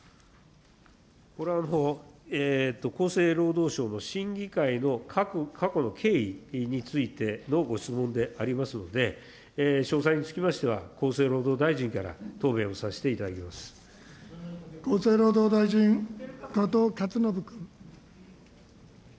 これは、厚生労働省の審議会の過去の経緯についてのご質問でありますので、詳細につきましては、厚生労働大臣から答弁をさせ厚生労働大臣、加藤勝信君。